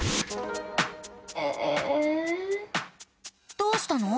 どうしたの？